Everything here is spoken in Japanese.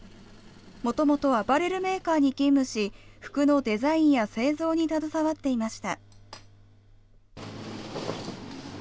もともとアパレルメーカーに勤務し、服のデザインや製造に携わっていました。